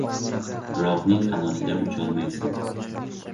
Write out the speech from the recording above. • Birovning qanotida ucholmaysan.